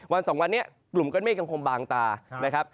สองวันนี้กลุ่มก้อนเมฆยังคงบางตานะครับ